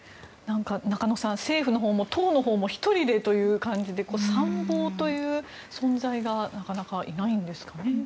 中野さん政府のほうも党のほうも１人でという感じで参謀という存在がなかなかいないんですかね。